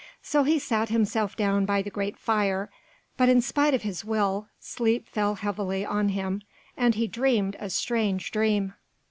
So he sat himself down by the great fire, but in spite of his will sleep fell heavily on him, and he dreamed a strange dream.